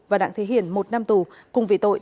và đặng thế hiển một năm tù cùng về tội